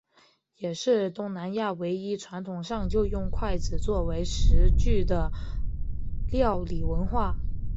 也是东南亚唯一传统上就用筷子作为食具的料理文化。